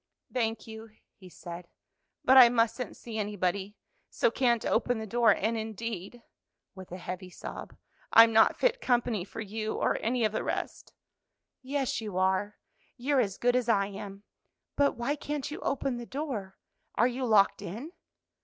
"Thank you," he said, "but I mustn't see anybody, so can't open the door; and, indeed," with a heavy sob, "I'm not fit company for you or any of the rest." "Yes, you are, you're as good as I am. But why can't you open the door? are you locked in?"